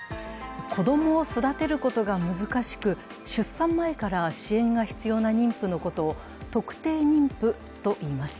子供を育てることが難しく、出産前から支援が必要な妊婦のことを特定妊婦といいます